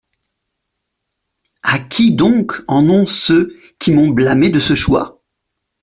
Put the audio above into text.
À qui donc en ont ceux qui m’ont blâmé de ce choix ?